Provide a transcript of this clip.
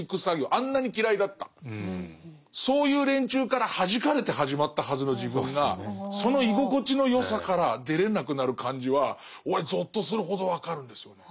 あんなに嫌いだったそういう連中からはじかれて始まったはずの自分がその居心地の良さから出れなくなる感じは俺ぞっとするほど分かるんですよね。